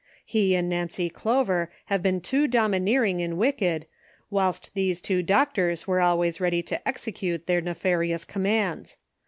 He and Xancy Clover have been too domineering and wicked, whilst these two doctors were always ready to execute their nefarious commands.